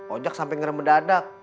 ojak sampai ngeremedadak